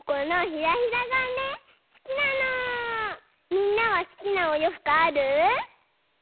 みんなはすきなおようふくある？